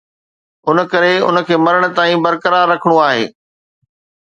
ان ڪري ان کي مرڻ تائين برقرار رکڻو آهي